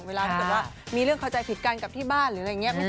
เวลาถ้าเกิดว่ามีเรื่องเข้าใจผิดกันกับที่บ้านหรืออะไรอย่างนี้